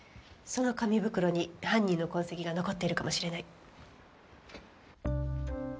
その紙袋に犯人の痕跡が残っているかもしれない。